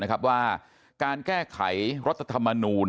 ไปจากสอวาร์ว่าการแก้ไขรัศท่ามนูล